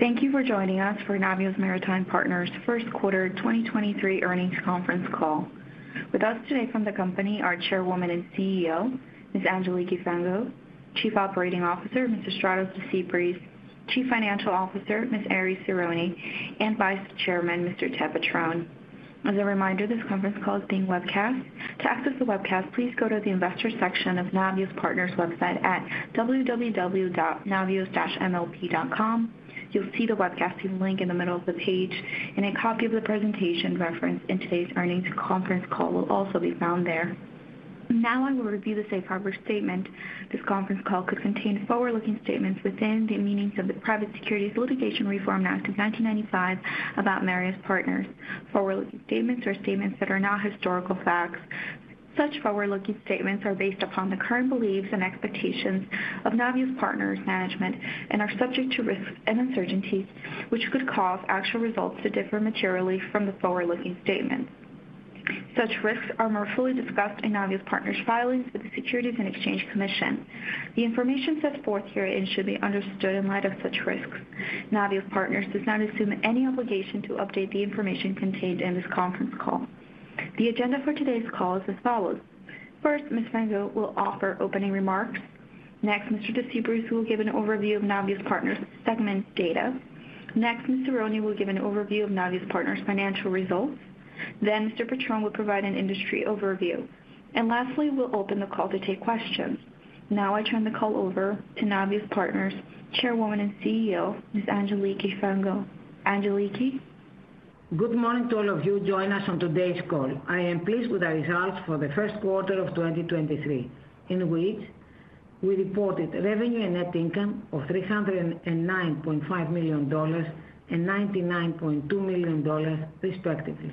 Thank you for joining us for Navios Maritime Partners 1st quarter 2023 earnings conference call. With us today from the company are Chairwoman and CEO, Ms. Angeliki Frangou, Chief Operating Officer, Mr. Efstratios Desypris, Chief Financial Officer, Ms. Eri Tsironi, and Vice Chairman, Mr. Ted Petrone. As a reminder, this conference call is being webcast. To access the webcast, please go to the investor section of Navios Partners website at www.navios-mlp.com. You'll see the webcast link in the middle of the page, a copy of the presentation referenced in today's earnings conference call will also be found there. Now I will review the safe harbor statement. This conference call could contain forward-looking statements within the meanings of the Private Securities Litigation Reform Act of 1995 about Navios Partners. Forward-looking statements are statements that are not historical facts. Such forward-looking statements are based upon the current beliefs and expectations of Navios Partners management and are subject to risks and uncertainties which could cause actual results to differ materially from the forward-looking statements. Such risks are more fully discussed in Navios Partners filings with the Securities and Exchange Commission. The information set forth herein should be understood in light of such risks. Navios Partners does not assume any obligation to update the information contained in this conference call. The agenda for today's call is as follows. First, Ms. Frangou will offer opening remarks. Next, Mr. Desypris will give an overview of Navios Partners segment data. Next, Ms. Tsironi will give an overview of Navios Partners financial results. Mr. Petrone will provide an industry overview. Lastly, we'll open the call to take questions. Now I turn the call over to Navios Partners Chairwoman and CEO, Ms. Angeliki Frangou. Angeliki. Good morning to all of you join us on today's call. I am pleased with the results for the first quarter of 2023, in which we reported revenue and net income of $309.5 million and $99.2 million respectively.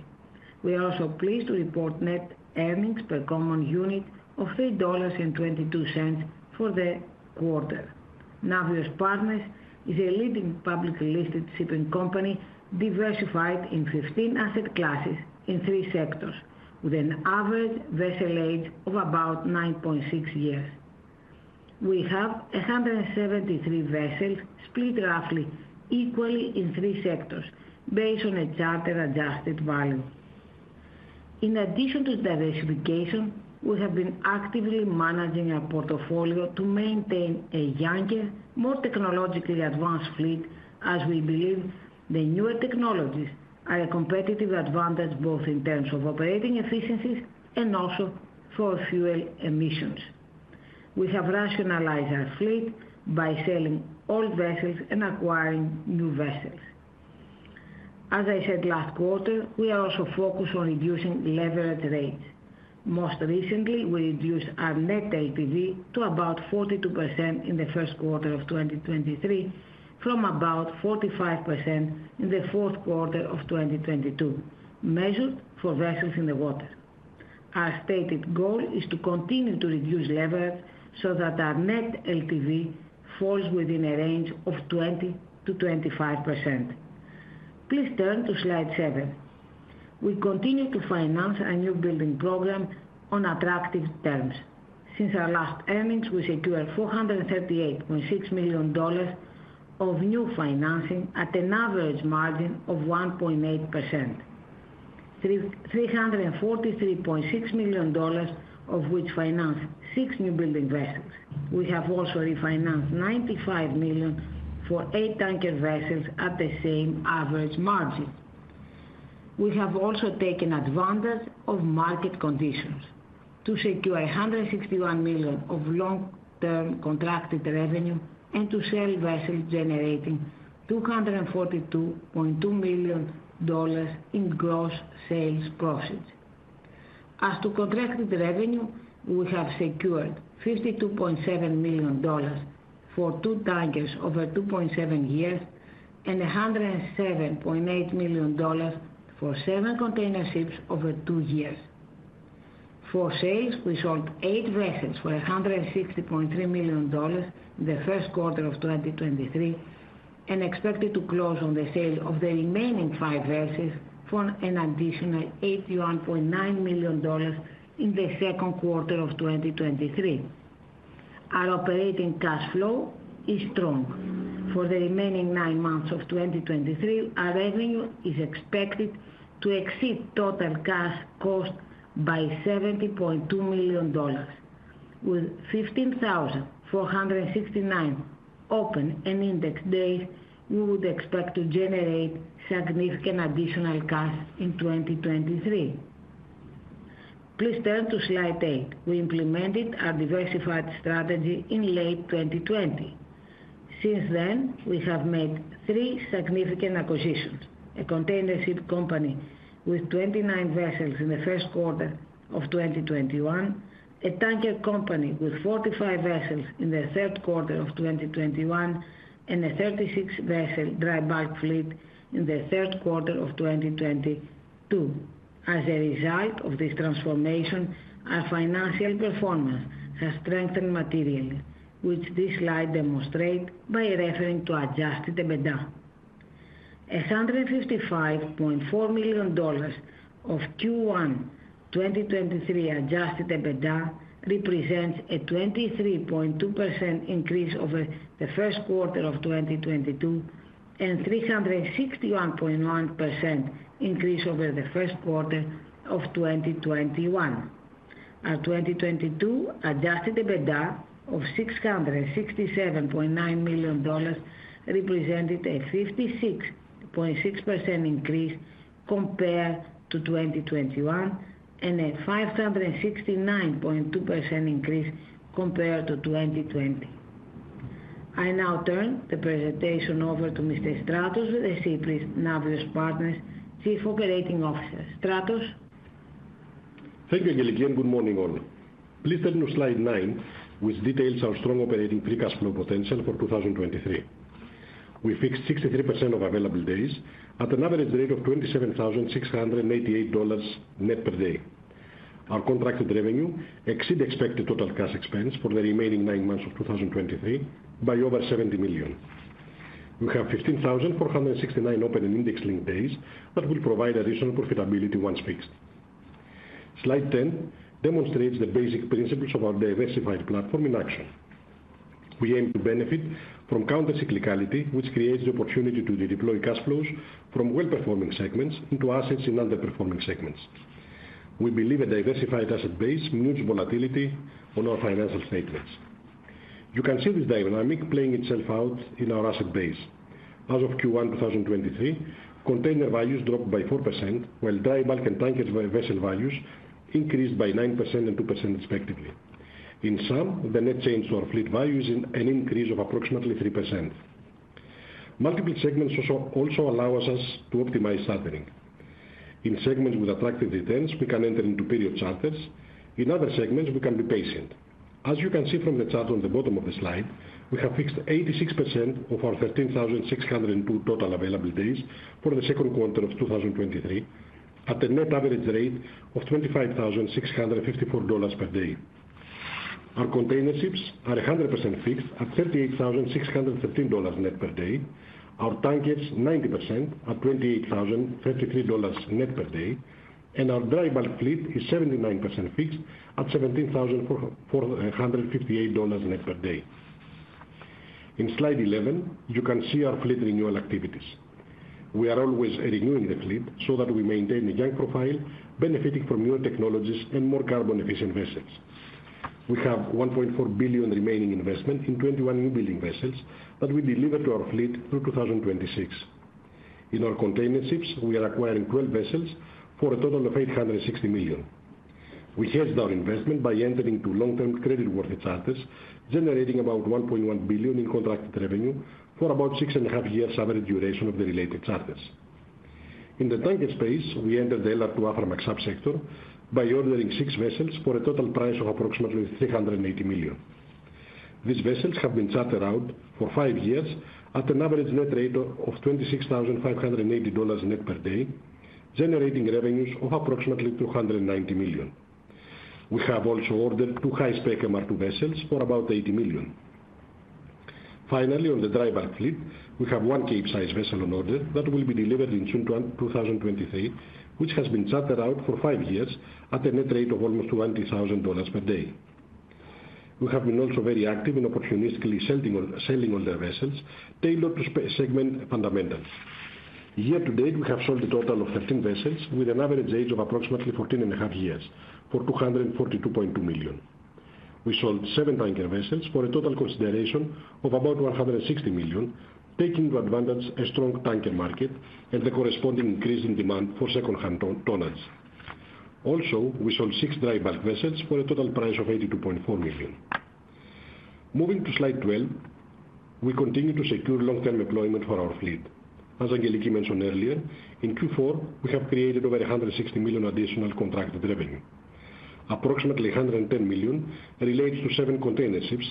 We are also pleased to report net earnings per common unit of $3.22 for the quarter. Navios Partners is a leading publicly listed shipping company diversified in 15 asset classes in three sectors with an average vessel age of about 9.6 years. We have 173 vessels split roughly equally in three sectors based on a charter adjusted value. In addition to diversification, we have been actively managing our portfolio to maintain a younger, more technologically advanced fleet as we believe the newer technologies are a competitive advantage both in terms of operating efficiencies and also for fuel emissions. We have rationalized our fleet by selling old vessels and acquiring new vessels. As I said last quarter, we are also focused on reducing leverage rates. Most recently, we reduced our Net LTV to about 42% in the first quarter of 2023 from about 45% in the fourth quarter of 2022, measured for vessels in the water. Our stated goal is to continue to reduce leverage so that our Net LTV falls within a range of 20%-25%. Please turn to slide seven. We continue to finance our new building program on attractive terms. Since our last earnings, we secured $438.6 million of new financing at an average margin of 1.8%. $343.6 million of which financed six new building vessels. We have also refinanced $95 million for eight tanker vessels at the same average margin. We have also taken advantage of market conditions to secure $161 million of long-term contracted revenue and to sell vessels generating $242.2 million in gross sales proceeds. As to contracted revenue, we have secured $52.7 million for two tankers over 2.7 years and $107.8 million for seven container ships over two years. For sales, we sold eight vessels for $160.3 million in the first quarter of 2023 and expected to close on the sale of the remaining five vessels for an additional $81.9 million in the second quarter of 2023. Our operating cash flow is strong. For the remaining nine months of 2023, our revenue is expected to exceed total cash cost by $70.2 million. With 15,469 open and index days, we would expect to generate significant additional cash in 2023. Please turn to slide eight. We implemented our diversified strategy in late 2020. Since then, we have made three significant acquisitions: a container ship company with 29 vessels in the first quarter of 2021, a tanker company with 45 vessels in the third quarter of 2021, and a 36 vessel dry bulk fleet in the third quarter of 2022. As a result of this transformation, our financial performance has strengthened materially, which this slide demonstrate by referring to Adjusted EBITDA. A $155.4 million of Q1 2023 Adjusted EBITDA represents a 23.2% increase over the first quarter of 2022 and 361.1% increase over the first quarter of 2021. Our 2022 Adjusted EBITDA of $667.9 million represented a 56.6% increase compared to 2021 and a 569.2% increase compared to 2020. I now turn the presentation over to Mr. Efstratios Desypris Navios Partners Chief Operating Officer. Efstratios? Thank you, Angeliki, and good morning all. Please turn to slide 9, which details our strong operating free cash flow potential for 2023. We fixed 63% of available days at an average rate of $27,688 net per day. Our contracted revenue exceed expected total cash expense for the remaining nine months of 2023 by over $70 million. We have 15,469 open and index-linked days that will provide additional profitability once fixed. Slide 10 demonstrates the basic principles of our diversified platform in action. We aim to benefit from countercyclicality, which creates the opportunity to redeploy cash flows from well-performing segments into assets in underperforming segments. We believe a diversified asset base moves volatility on our financial statements. You can see this dynamic playing itself out in our asset base. As of Q1, 2023, container values dropped by 4%, while dry bulk and tankers vessel values increased by 9% and 2% respectively. In sum, the net change to our fleet values an increase of approximately 3%. Multiple segments also allows us to optimize chartering. In segments with attractive returns, we can enter into period charters. In other segments, we can be patient. As you can see from the chart on the bottom of the slide, we have fixed 86% of our 13,602 total available days for the second quarter of 2023 at a net average rate of $25,654 per day. Our containerships are 100% fixed at $38,615 net per day, our tankers 90% at $28,033 net per day. Our dry bulk fleet is 79% fixed at $17,458 net per day. In slide 11, you can see our fleet renewal activities. We are always renewing the fleet so that we maintain a young profile benefiting from newer technologies and more carbon efficient vessels. We have $1.4 billion remaining investment in 21 new building vessels that we deliver to our fleet through 2026. In our containerships, we are acquiring 12 vessels for a total of $860 million. We hedge our investment by entering into long-term creditworthy charters, generating about $1.1 billion in contracted revenue for about six and a half years average duration of the related charters. In the tanker space, we entered the LR2 Aframax subsector by ordering six vessels for a total price of approximately $380 million. These vessels have been chartered out for five years at an average net rate of $26,580 net per day, generating revenues of approximately $290 million. We have also ordered two high-spec MR2 vessels for about $80 million. Finally, on the dry bulk fleet, we have one Capesize vessel on order that will be delivered in June 2023, which has been chartered out for five years at a net rate of almost $20,000 per day. We have been also very active in opportunistically selling older vessels tailored to segment fundamentals. Year to date, we have sold a total of 13 vessels with an average age of approximately 14 and a half years for $242.2 million. We sold seven tanker vessels for a total consideration of about $160 million, taking advantage a strong tanker market and the corresponding increase in demand for secondhand tonnage. We sold six dry bulk vessels for a total price of $82.4 million. Moving to slide 12, we continue to secure long-term deployment for our fleet. As Angeliki mentioned earlier, in Q4, we have created over $160 million additional contracted revenue. Approximately $110 million relates to seven containerships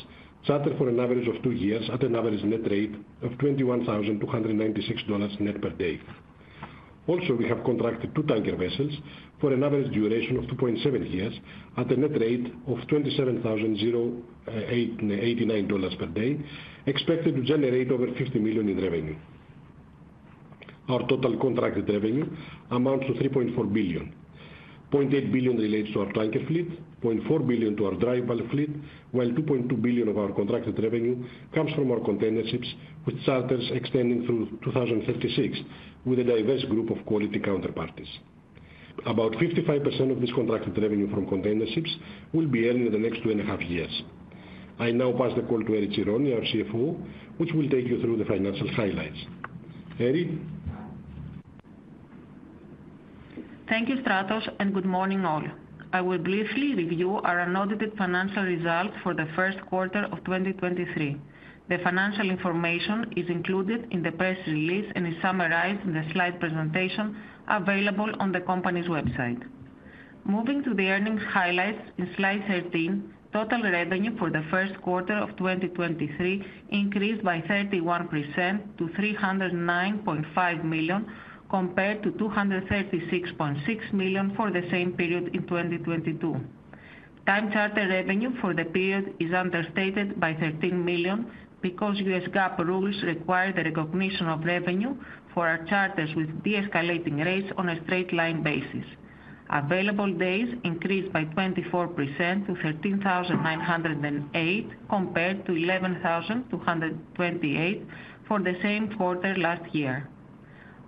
chartered for an average of two years at an average net rate of $21,296 net per day. We have contracted two tanker vessels for an average duration of 2.7 years at a net rate of $27,089 per day, expected to generate over $50 million in revenue. Our total contracted revenue amounts to $3.4 billion. $0.8 billion relates to our tanker fleet, $0.4 billion to our dry bulk fleet, while $2.2 billion of our contracted revenue comes from our containerships with charters extending through 2056 with a diverse group of quality counterparties. About 55% of this contracted revenue from containerships will be earned in the next two and a half years. I now pass the call to Eri Tsironi, our CFO, which will take you through the financial highlights. Eri? Thank you, Stratos. Good morning all. I will briefly review our unaudited financial results for the first quarter of 2023. The financial information is included in the press release and is summarized in the slide presentation available on the company's website. Moving to the earnings highlights in slide 13, total revenue for the first quarter of 2023 increased by 31% to $309.5 million, compared to $236.6 million for the same period in 2022. Time charter revenue for the period is understated by $13 million because U.S. GAAP rules require the recognition of revenue for our charters with de-escalating rates on a straight line basis. Available days increased by 24% to 13,908 compared to 11,228 for the same quarter last year.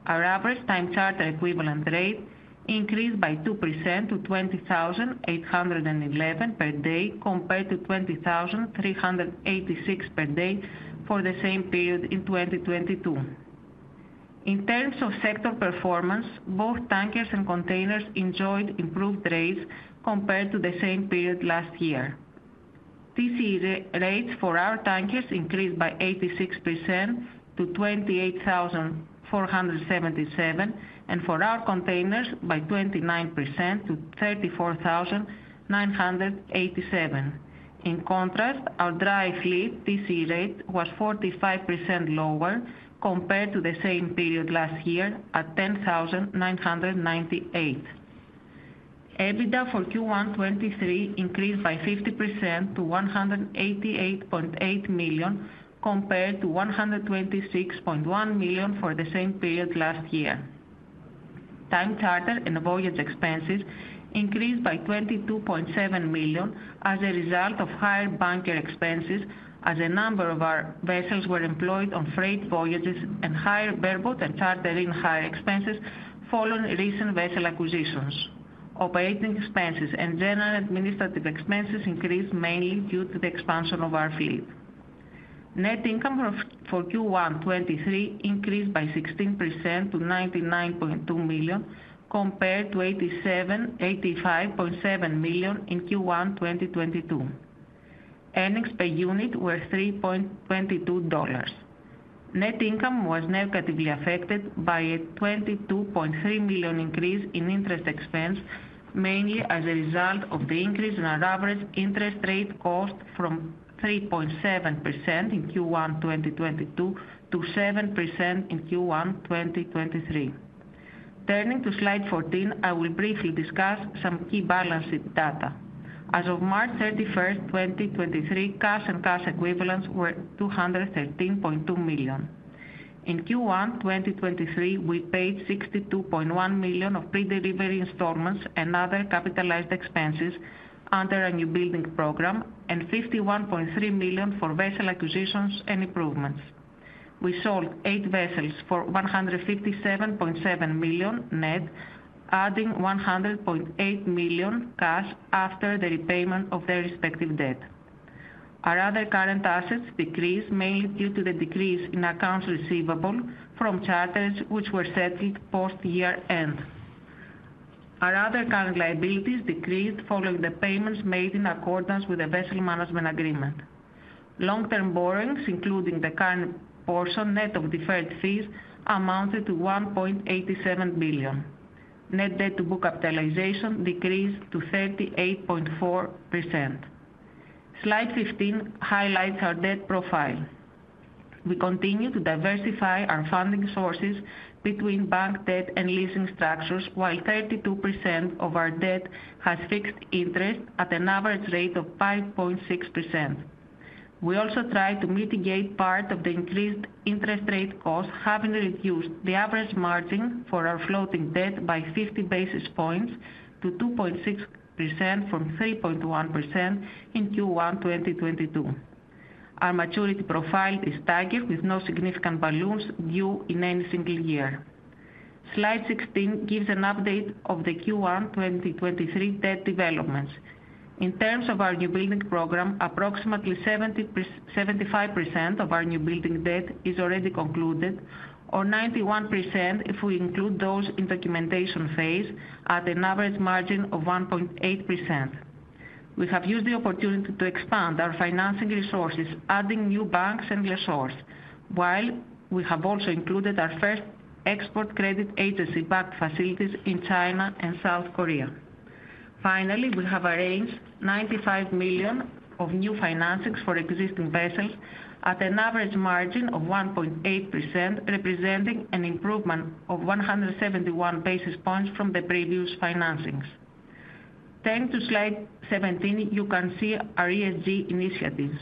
Our average Time Charter Equivalent rate increased by 2% to $20,811 per day compared to $20,386 per day for the same period in 2022. In terms of sector performance, both tankers and containers enjoyed improved rates compared to the same period last year. TC re-rates for our tankers increased by 86% to $28,477, and for our containers by 29% to $34,987. In contrast, our dry fleet TCE rate was 45% lower compared to the same period last year at $10,998. EBITDA for Q1 2023 increased by 50% to $188.8 million compared to $126.1 million for the same period last year. Time charter and voyage expenses increased by $22.7 million as a result of higher bunker expenses as a number of our vessels were employed on freight voyages and higher bareboat and charter in higher expenses following recent vessel acquisitions. Operating expenses and general administrative expenses increased mainly due to the expansion of our fleet. Net income for Q1 2023 increased by 16% to $99.2 million compared to $85.7 million in Q1 2022. Earnings per unit were $3.22. Net income was negatively affected by a $22.3 million increase in interest expense, mainly as a result of the increase in our average interest rate cost from 3.7% in Q1 2022 to 7% in Q1 2023. Turning to slide 14, I will briefly discuss some key balance sheet data. As of March 31, 2023, cash and cash equivalents were $213.2 million. In Q1 2023, we paid $62.1 million of pre-delivery installments and other capitalized expenses under a new building program and $51.3 million for vessel acquisitions and improvements. We sold eight vessels for $157.7 million net, adding $100.8 million cash after the repayment of their respective debt. Our other current assets decreased mainly due to the decrease in accounts receivable from charters which were settled post year-end. Our other current liabilities decreased following the payments made in accordance with the vessel management agreement. Long-term borrowings, including the current portion net of deferred fees, amounted to $1.87 billion. Net Debt to Book Capitalization decreased to 38.4%. Slide 15 highlights our debt profile. We continue to diversify our funding sources between bank debt and leasing structures, while 32% of our debt has fixed interest at an average rate of 5.6%. We also try to mitigate part of the increased interest rate cost, having reduced the average margin for our floating debt by 50 basis points to 2.6% from 3.1% in Q1 2022. Our maturity profile is staggered with no significant balloons due in any single year. Slide 16 gives an update of the Q1 2023 debt developments. In terms of our new building program, approximately 75% of our new building debt is already concluded, or 91% if we include those in documentation phase at an average margin of 1.8%. We have used the opportunity to expand our financing resources, adding new banks and lessors, while we have also included our first Export Credit Agency backed facilities in China and South Korea. Finally, we have arranged $95 million of new financings for existing vessels at an average margin of 1.8%, representing an improvement of 171 basis points from the previous financings. Turning to slide 17, you can see our ESG initiatives.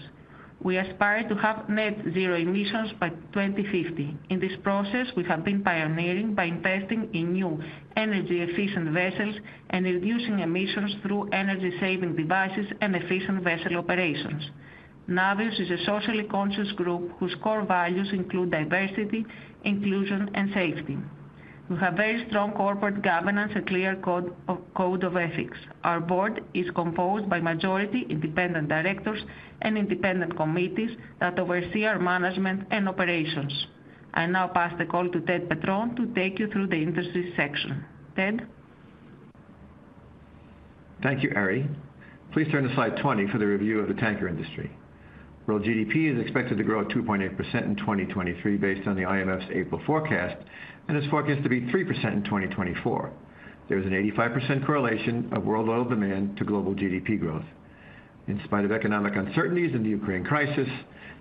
We aspire to have net zero emissions by 2050. In this process, we have been pioneering by investing in new energy efficient vessels and reducing emissions through energy saving devices and efficient vessel operations. Navios is a socially conscious group whose core values include diversity, inclusion, and safety. We have very strong corporate governance and clear code of ethics. Our board is composed by majority independent directors and independent committees that oversee our management and operations. I now pass the call to Ted Petrone to take you through the industry section. Ted? Thank you, Eri. Please turn to slide 20 for the review of the tanker industry. World GDP is expected to grow at 2.8% in 2023 based on the IMF's April forecast and is forecast to be 3% in 2024. There is an 85% correlation of world oil demand to global GDP growth. In spite of economic uncertainties in the Ukraine crisis,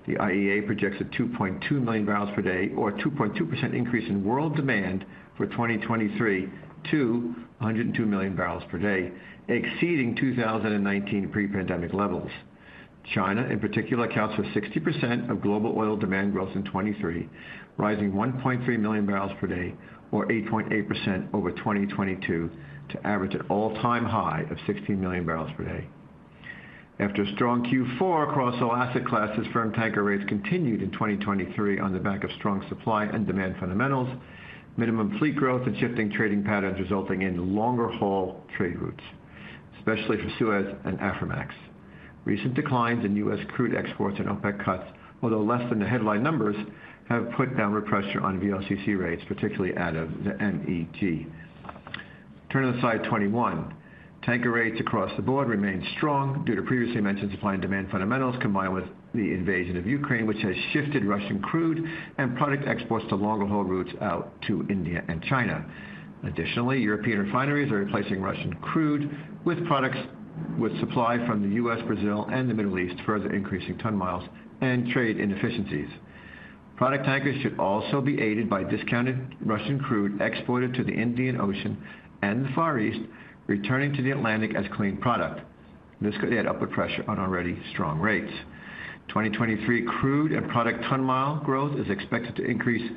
the IEA projects a 2.2 million barrels per day or 2.2% increase in world demand for 2023 to 102 million barrels per day, exceeding 2019 pre-pandemic levels. China in particular accounts for 60% of global oil demand growth in 2023, rising 1.3 million barrels per day or 8.8% over 2022 to average an all-time high of 16 million barrels per day. After a strong Q4 across all asset classes, firm tanker rates continued in 2023 on the back of strong supply and demand fundamentals, minimum fleet growth and shifting trading patterns resulting in longer-haul trade routes, especially for Suez and Aframax. Recent declines in U.S. crude exports and OPEC cuts, although less than the headline numbers, have put downward pressure on VLCC rates, particularly out of the MEG. Turn to slide 21. Tanker rates across the board remain strong due to previously mentioned supply and demand fundamentals, combined with the invasion of Ukraine, which has shifted Russian crude and product exports to longer-haul routes out to India and China. Additionally, European refineries are replacing Russian crude with products with supply from the U.S., Brazil, and the Middle East, further increasing ton-miles and trade inefficiencies. Product tankers should also be aided by discounted Russian crude exported to the Indian Ocean and the Far East, returning to the Atlantic as clean product. This could add upward pressure on already strong rates. 2023 crude and product ton-mile growth is expected to increase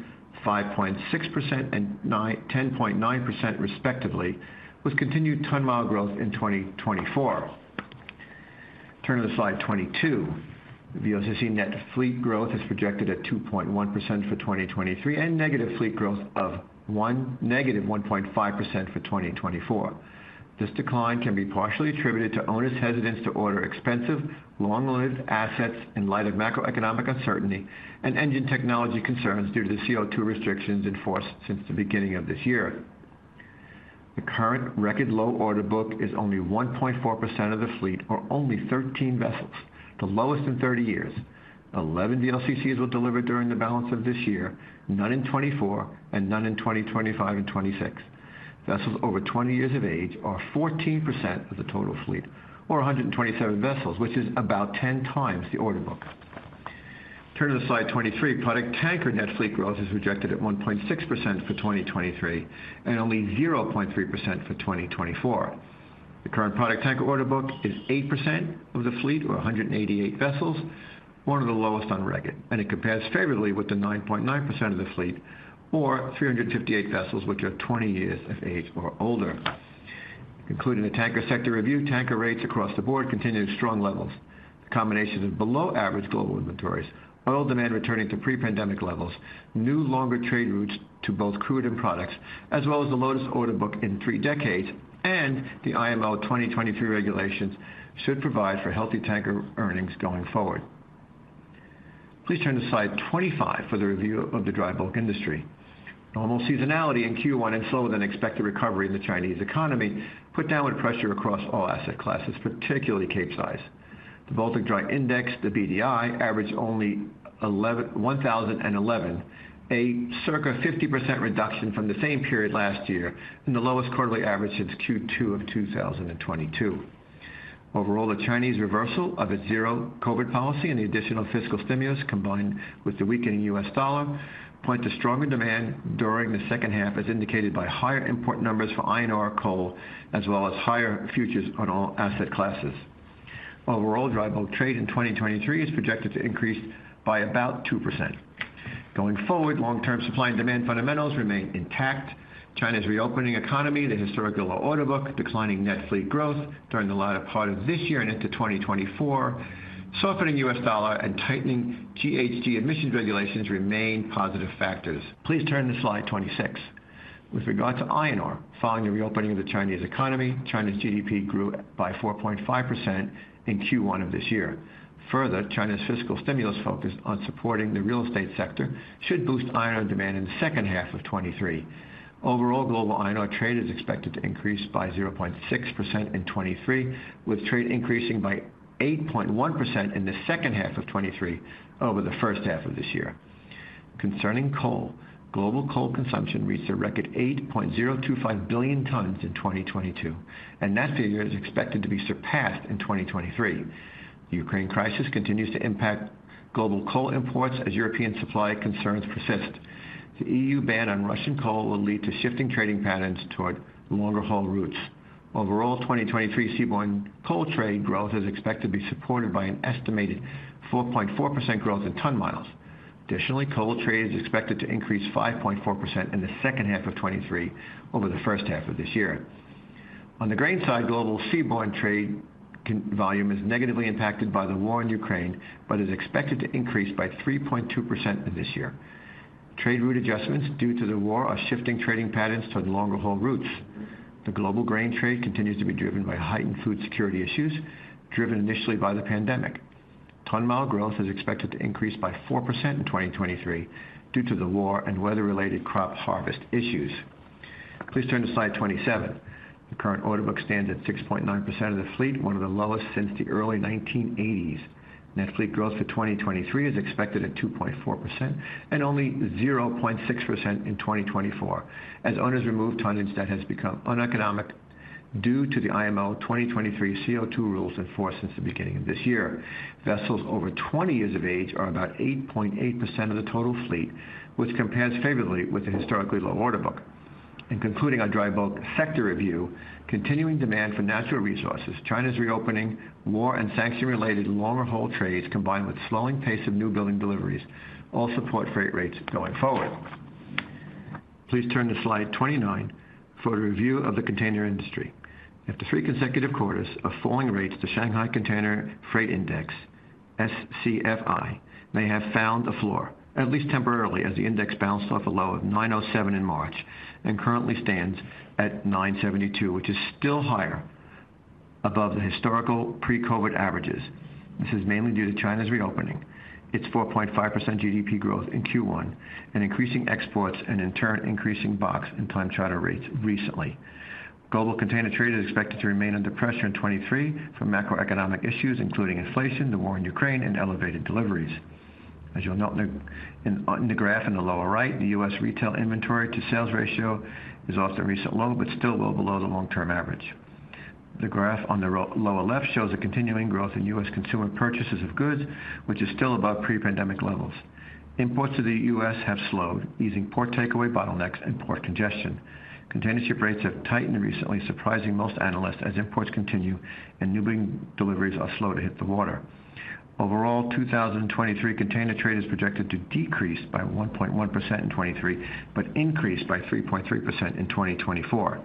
5.6% and 10.9% respectively, with continued ton-mile growth in 2024. Turn to slide 22. VLCC net fleet growth is projected at 2.1% for 2023 and negative 1.5% for 2024. This decline can be partially attributed to owners' hesitance to order expensive, long-lived assets in light of macroeconomic uncertainty and engine technology concerns due to the CO2 restrictions enforced since the beginning of this year. The current record low order book is only 1.4% of the fleet or only 13 vessels, the lowest in 30 years. 11 VLCCs will deliver during the balance of this year, none in 2024 and none in 2025 and 2026. Vessels over 20 years of age are 14% of the total fleet or 127 vessels, which is about 10 times the order book. Turn to slide 23. Product tanker net fleet growth is projected at 1.6% for 2023 and only 0.3% for 2024. The current product tanker order book is 8% of the fleet or 188 vessels, one of the lowest on record, and it compares favorably with the 9.9% of the fleet or 358 vessels which are 20 years of age or older. Concluding the tanker sector review, tanker rates across the board continue at strong levels. The combination of below-average global inventories, oil demand returning to pre-pandemic levels, new longer trade routes to both crude and products, as well as the lowest order book in 3 decades, and the IMO 2023 regulations should provide for healthy tanker earnings going forward. Please turn to slide 25 for the review of the dry bulk industry. Normal seasonality in Q1 and slower-than-expected recovery in the Chinese economy put downward pressure across all asset classes, particularly Capesize. The Baltic Dry Index, the BDI, averaged only 1,011, a circa 50% reduction from the same period last year and the lowest quarterly average since Q2 of 2022. Overall, the Chinese reversal of its zero-COVID policy and the additional fiscal stimulus, combined with the weakening US dollar, point to stronger demand during the second half, as indicated by higher import numbers for iron ore coal, as well as higher futures on all asset classes. Overall, dry bulk trade in 2023 is projected to increase by about 2%. Going forward, long-term supply and demand fundamentals remain intact. China's reopening economy, the historically low order book, declining net fleet growth during the latter part of this year and into 2024, softening US dollar, and tightening GHG emissions regulations remain positive factors. Please turn to slide 26. With regard to iron ore, following the reopening of the Chinese economy, China's GDP grew by 4.5% in Q1 of this year. China's fiscal stimulus focus on supporting the real estate sector should boost iron ore demand in the second half of 2023. Global iron ore trade is expected to increase by 0.6% in 2023, with trade increasing by 8.1% in the second half of 2023 over the first half of this year. Concerning coal, global coal consumption reached a record 8.025 billion tons in 2022, that figure is expected to be surpassed in 2023. The Ukraine crisis continues to impact global coal imports as European supply concerns persist. The EU ban on Russian coal will lead to shifting trading patterns toward longer-haul routes. Overall, 2023 seaborne coal trade growth is expected to be supported by an estimated 4.4% growth in ton-miles. Additionally, coal trade is expected to increase 5.4% in the second half of 2023 over the first half of this year. On the grain side, global seaborne trade volume is negatively impacted by the war in Ukraine, is expected to increase by 3.2% this year. Trade route adjustments due to the war are shifting trading patterns toward longer-haul routes. The global grain trade continues to be driven by heightened food security issues driven initially by the pandemic. ton-mile growth is expected to increase by 4% in 2023 due to the war and weather-related crop harvest issues. Please turn to slide 27. The current order book stands at 6.9% of the fleet, one of the lowest since the early 1980s. Net fleet growth for 2023 is expected at 2.4% and only 0.6% in 2024 as owners remove tonnage that has become uneconomic due to the IMO 2023 CO2 rules in force since the beginning of this year. Vessels over 20 years of age are about 8.8% of the total fleet, which compares favorably with the historically low order book. In concluding our dry bulk sector review, continuing demand for natural resources, China's reopening, war and sanction-related longer-haul trades, combined with slowing pace of new building deliveries, all support freight rates going forward. Please turn to slide 29 for the review of the container industry. After three consecutive quarters of falling rates, the Shanghai Container Freight Index, SCFI, may have found the floor, at least temporarily, as the index bounced off a low of 907 in March and currently stands at 972, which is still higher above the historical pre-COVID averages. This is mainly due to China's reopening, its 4.5% GDP growth in Q1, and increasing exports and in turn, increasing box and time charter rates recently. Global container trade is expected to remain under pressure in 2023 for macroeconomic issues, including inflation, the war in Ukraine, and elevated deliveries. As you'll note in the graph in the lower right, the US retail inventory to sales ratio is off the recent low but still well below the long-term average. The graph on the lower left shows a continuing growth in US consumer purchases of goods, which is still above pre-pandemic levels. Imports to the US have slowed, easing port takeaway bottlenecks and port congestion. Containership rates have tightened recently, surprising most analysts as imports continue and newbuilding deliveries are slow to hit the water. Overall, 2023 container trade is projected to decrease by 1.1% in 2023, but increase by 3.3% in 2024.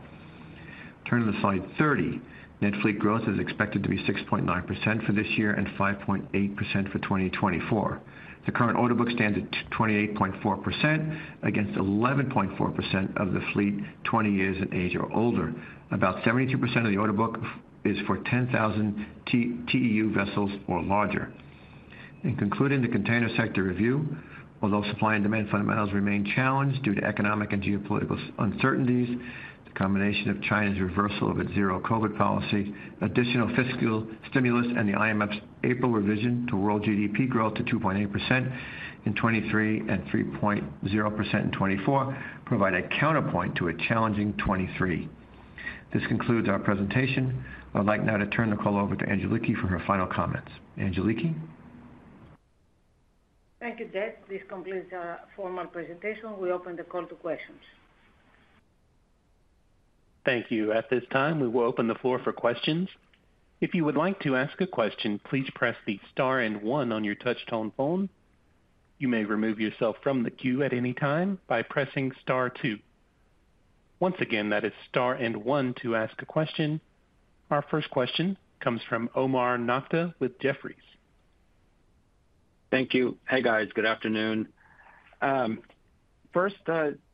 Turn to slide 30. Net fleet growth is expected to be 6.9% for this year and 5.8% for 2024. The current order book stands at 28.4% against 11.4% of the fleet 20 years in age or older. About 72% of the order book is for 10,000 TEU vessels or larger. In concluding the container sector review, although supply and demand fundamentals remain challenged due to economic and geopolitical uncertainties, the combination of China's reversal of its zero-COVID policy, additional fiscal stimulus, and the IMF's April revision to world GDP growth to 2.8% in 2023 and 3.0% in 2024 provide a counterpoint to a challenging 2023. This concludes our presentation. I'd like now to turn the call over to Angeliki for her final comments. Angeliki? Thank you, Operator. This concludes our formal presentation. We open the call to questions. Thank you. At this time, we will open the floor for questions. If you would like to ask a question, please press the star and one on your touch tone phone. You may remove yourself from the queue at any time by pressing star two. Once again, that is star and one to ask a question. Our first question comes from Omar Nokta with Jefferies. Thank you. Hey, guys. Good afternoon. First,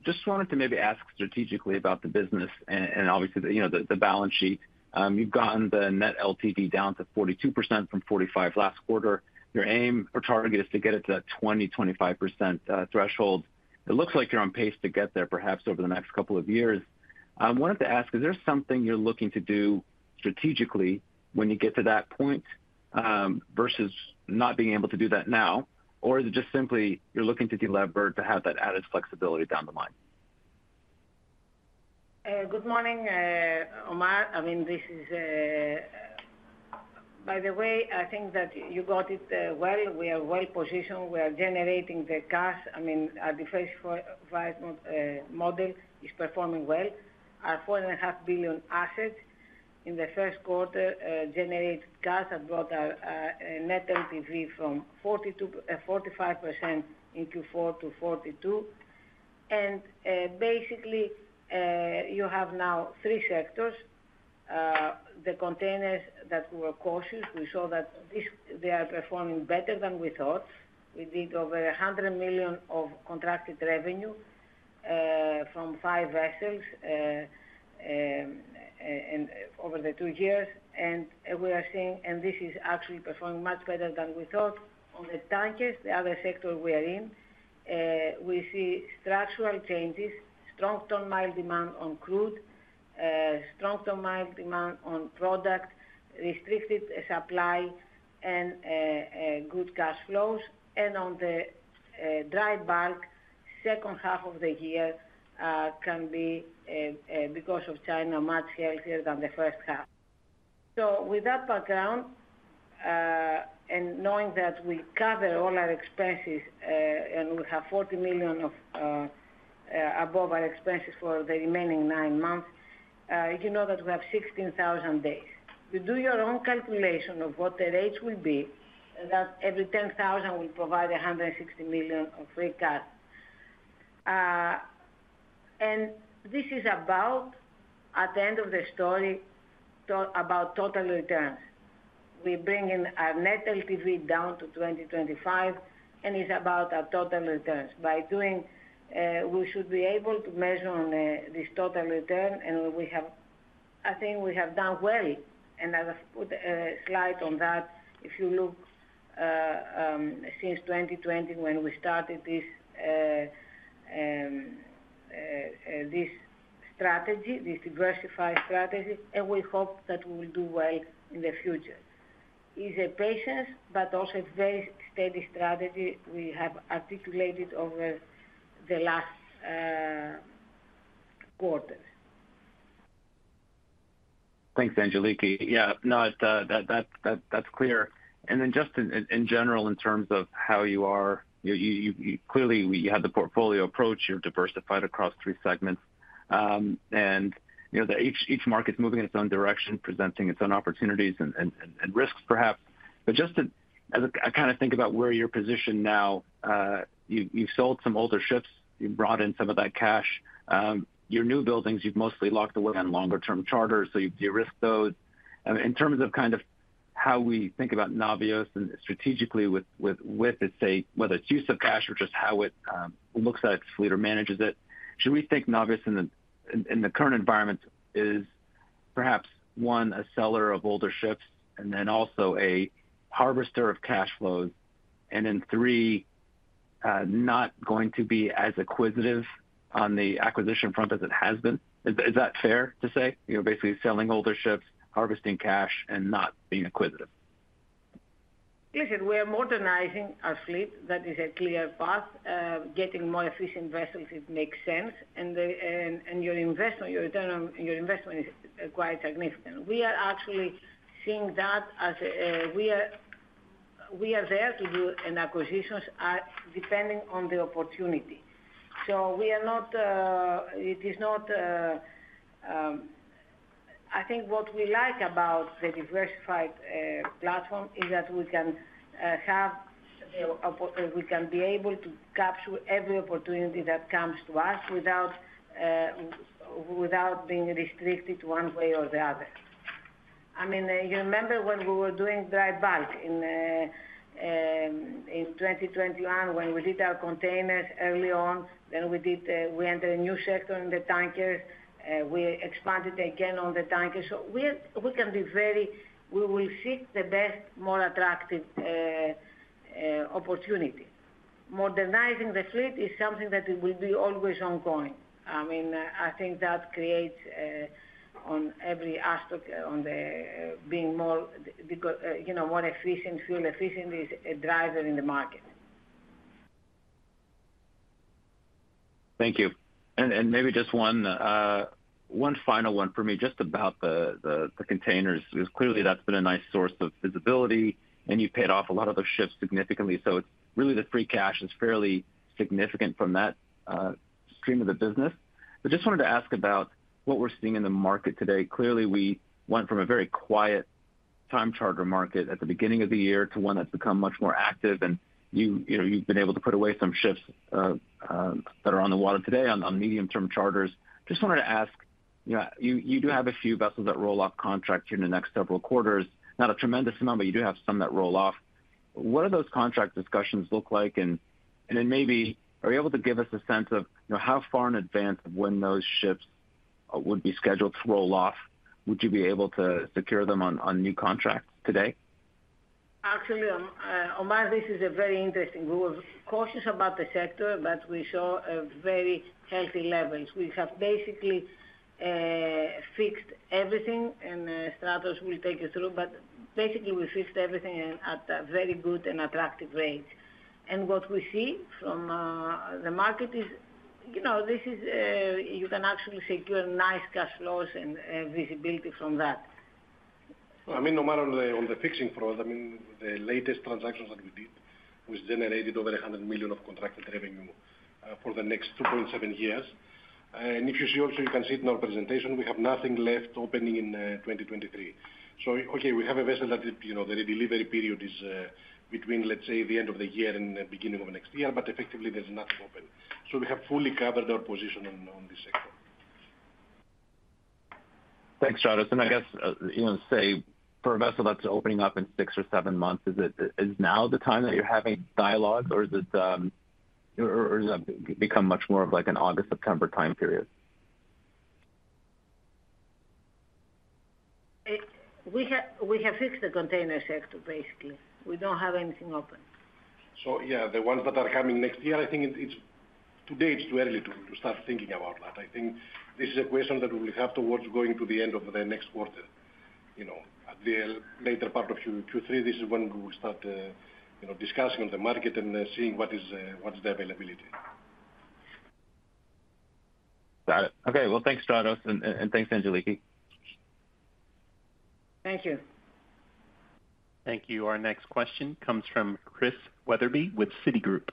just wanted to maybe ask strategically about the business and obviously, you know, the balance sheet. You've gotten the Net LTV down to 42% from 45 last quarter. Your aim or target is to get it to that 20%-25% threshold. It looks like you're on pace to get there perhaps over the next couple of years. I wanted to ask, is there something you're looking to do strategically when you get to that point versus not being able to do that now? Is it just simply you're looking to delever to have that added flexibility down the line? Good morning, Omar. I mean, this is. By the way, I think that you got it well. We are well positioned. We are generating the cash. I mean, our diversified model is performing well. Our $4.5 billion assets in the first quarter generated cash that brought our Net LTV from 40%-45% into 40%-42%. Basically, you have now three sectors. The containers that we were cautious, we saw that they are performing better than we thought. We did over $100 million of contracted revenue from 5 vessels and over the 2 years, and we are seeing. This is actually performing much better than we thought. On the tankers, the other sector we are in, we see structural changes, strong ton-mile demand on crude, strong ton-mile demand on product, restricted supply and good cash flows. On the dry bulk, second half of the year, can be because of China, much healthier than the first half. With that background, and knowing that we cover all our expenses, and we have $40 million above our expenses for the remaining 9 months, you know that we have 16,000 days. You do your own calculation of what the rates will be, that every 10,000 will provide $160 million of free cash. This is about, at the end of the story, about total returns. We bring in our Net LTV down to 20-25. It's about our total returns. By doing, we should be able to measure on this total return. I think we have done well. As I put a slide on that, if you look, since 2020 when we started this strategy, this diversified strategy. We hope that we will do well in the future. It's a patience, but also a very steady strategy we have articulated over the last quarters. Thanks, Angeliki. Yeah. No, it, that's clear. Just in general, in terms of how you are, you clearly we have the portfolio approach, you're diversified across three segments. You know, each market's moving in its own direction, presenting its own opportunities and risks perhaps. But just to as I kind of think about where you're positioned now, you sold some older ships, you brought in some of that cash, your new buildings, you've mostly locked away on longer term charters, so you derisk those. In terms of kind of how we think about Navios and strategically with its, say, whether it's use of cash or just how it looks at its fleet or manages it, should we think Navios in the current environment is perhaps, one, a seller of older ships and then also a harvester of cash flows, and then three, not going to be as acquisitive on the acquisition front as it has been. Is that fair to say? You know, basically selling older ships, harvesting cash and not being acquisitive. Listen, we are modernizing our fleet. That is a clear path. Getting more efficient vessels, it makes sense. And your investment, your return on your investment is quite significant. We are actually seeing that as a, we are there to do an acquisitions, depending on the opportunity. We are not, it is not. I think what we like about the diversified platform is that we can be able to capture every opportunity that comes to us without being restricted one way or the other. I mean, you remember when we were doing dry bulk in 2021, when we did our containers early on, we entered a new sector in the tankers. We expanded again on the tankers. We can be very. We will seek the best, more attractive opportunity. Modernizing the fleet is something that will be always ongoing. I mean, I think that creates on every aspect on the being more, because, you know, more efficiency and efficiency is a driver in the market. Thank you. Maybe just one final one for me just about the containers, because clearly that's been a nice source of visibility and you paid off a lot of those ships significantly. Really the free cash is fairly significant from that stream of the business. Just wanted to ask about what we're seeing in the market today. Clearly we went from a very quiet time charter market at the beginning of the year to one that's become much more active. You know, you've been able to put away some ships that are on the water today on medium-term charters. Just wanted to ask, you know, you do have a few vessels that roll off contract here in the next several quarters. Not a tremendous amount, but you do have some that roll off. What do those contract discussions look like? Maybe are you able to give us a sense of, you know, how far in advance of when those ships would be scheduled to roll off would you be able to secure them on new contracts today? Actually, Omar, this is a very interesting. We were cautious about the sector, but we saw a very healthy levels. We have basically fixed everything and Stratos will take you through, but basically we fixed everything at a very good and attractive rate. What we see from the market is, you know, this is, you can actually secure nice cash flows and visibility from that. Well, I mean, Omar, on the fixing front, I mean, the latest transactions that we did, which generated over $100 million of contracted revenue for the next 2.7 years. If you see also, you can see it in our presentation, we have nothing left opening in 2023. Okay, we have a vessel that, you know, the delivery period is between, let's say, the end of the year and the beginning of next year, but effectively there's nothing open. We have fully covered our position on this sector. Thanks, Stratos. I guess, you know, say for a vessel that's opening up in six or seven months, is it now the time that you're having dialogues or has that become much more of like an August, September time period? We have fixed the container sector, basically. We don't have anything open. Yeah, the ones that are coming next year, today it's too early to start thinking about that. I think this is a question that we will have towards going to the end of the next quarter. You know, at the later part of Q3, this is when we will start, you know, discussing on the market and seeing what is the availability. Got it. Okay. Well, thanks Stratos, and thanks Angeliki. Thank you. Thank you. Our next question comes from Chris Wetherbee with Citigroup.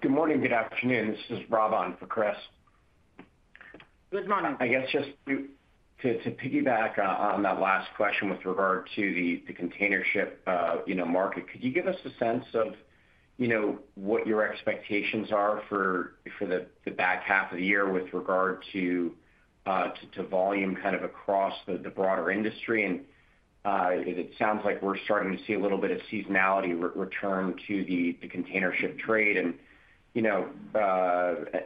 Good morning, good afternoon. This is Rob on for Chris. Good morning. I guess just to piggyback on that last question with regard to the container ship, you know, market, could you give us a sense of, you know, what your expectations are for the back half of the year with regard to volume kind of across the broader industry? It sounds like we're starting to see a little bit of seasonality re-return to the container ship trade and, you know,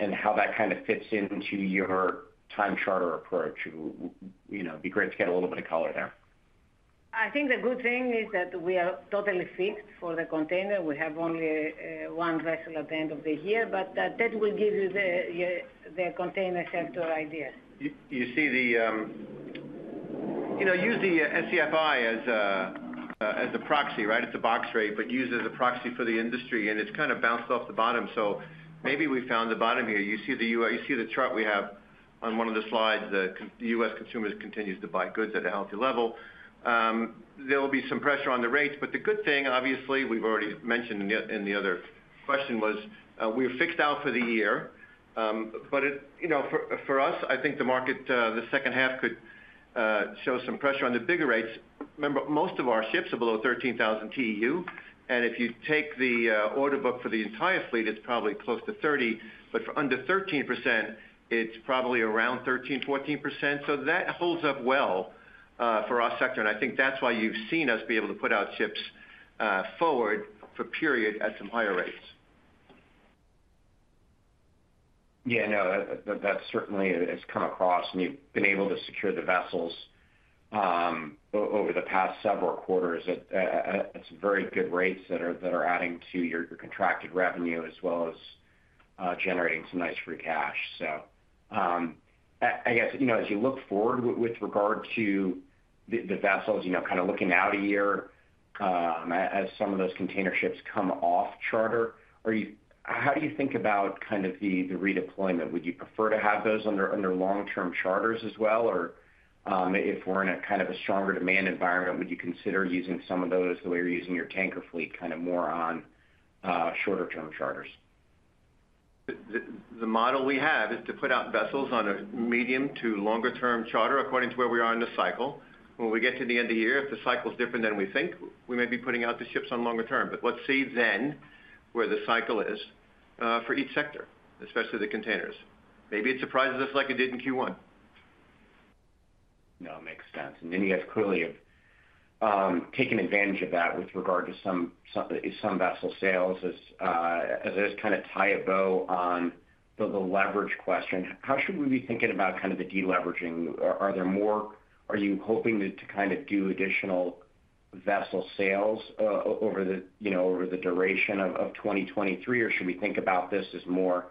and how that kind of fits into your time charter approach. You know, it'd be great to get a little bit of color there. I think the good thing is that we are totally fixed for the container. We have only, one vessel at the end of the year. That will give you the container sector idea. You see the, you know, use the SCFI as a, as a proxy, right? It's a box rate, but use it as a proxy for the industry, it's kind of bounced off the bottom. Maybe we found the bottom here. You see the chart we have on one of the slides, the U.S. consumer continues to buy goods at a healthy level. There will be some pressure on the rates. The good thing, obviously, we've already mentioned in the other question was, we're fixed out for the year. You know, for us, I think the market, the second half could show some pressure on the bigger rates. Remember, most of our ships are below 13,000 TEU. If you take the order book for the entire fleet, it's probably close to 30. For under 13%, it's probably around 13%-14%. That holds up well for our sector. I think that's why you've seen us be able to put out ships forward for period at some higher rates. Yeah, no, that certainly has come across, and you've been able to secure the vessels over the past several quarters at some very good rates that are, that are adding to your contracted revenue as well as generating some nice free cash. I guess, you know, as you look forward with regard to the vessels, you know, kind of looking out a year, as some of those container ships come off charter, how do you think about kind of the redeployment? Would you prefer to have those under long-term charters as well? Or, if we're in a kind of a stronger demand environment, would you consider using some of those the way you're using your tanker fleet, kind of more on shorter-term charters? The model we have is to put out vessels on a medium to longer term charter according to where we are in the cycle. When we get to the end of the year, if the cycle is different than we think, we may be putting out the ships on longer term. Let's see then where the cycle is for each sector, especially the containers. Maybe it surprises us like it did in Q1. No, it makes sense. You guys clearly have taken advantage of that with regard to some vessel sales. I just kind of tie a bow on the leverage question, how should we be thinking about kind of the deleveraging? Are you hoping to kind of do additional vessel sales over the duration of 2023, or should we think about this as more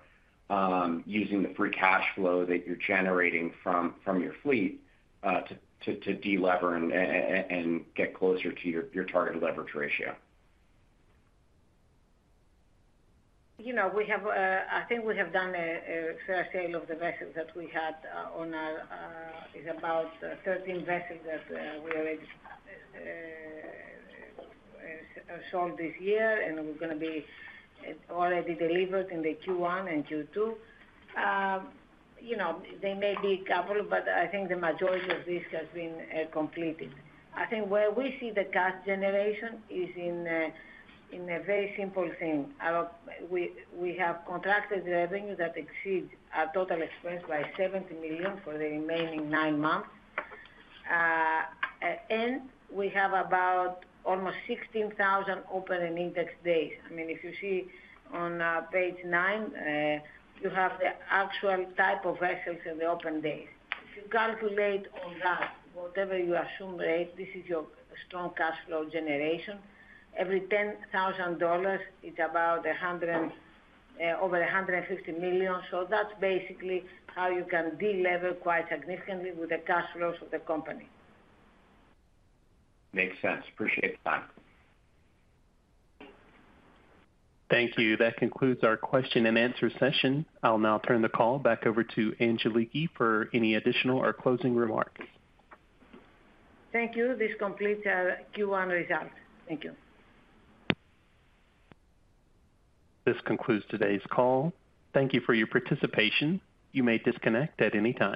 using the free cash flow that you're generating from your fleet to de-lever and get closer to your target leverage ratio? You know, we have, I think we have done a fair sale of the vessels that we had on our, is about 13 vessels that we already sold this year, and we're gonna be already delivered in the Q1 and Q2. You know, there may be a couple, but I think the majority of this has been completed. I think where we see the cash generation is in a very simple thing. We have contracted revenue that exceeds our total expense by $70 million for the remaining nine months. We have about almost 16,000 open and index days. I mean, if you see on page nine, you have the actual type of vessels in the open days. If you calculate on that, whatever you assume rate, this is your strong cash flow generation. Every $10,000 is about over $150 million. That's basically how you can de-lever quite significantly with the cash flows of the company. Makes sense. Appreciate the time. Thank you. That concludes our question and answer session. I'll now turn the call back over to Angeliki for any additional or closing remarks. Thank you. This completes our Q1 results. Thank you. This concludes today's call. Thank you for your participation. You may disconnect at any time.